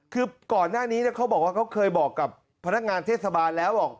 คือก่อนหน้านี้เขาบอกว่าเขาเคยบอกกับพนักงานเทศบาลแล้วบอก